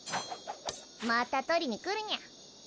また取りに来るニャ。